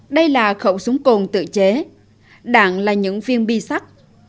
đây là khẩu súng cồn tự chế đạn là những viên bi sắc